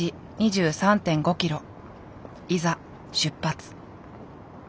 いざ出発。